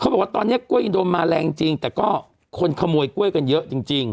บอกว่าตอนนี้กล้วยอินโดนมาแรงจริงแต่ก็คนขโมยกล้วยกันเยอะจริง